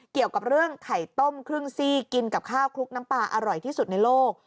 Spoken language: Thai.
เกี่ยวกับเรื่องไข่ต้มครึ่งซี่กินกับข้าวคลุกน้ำปลาอร่อยที่สุดในโลก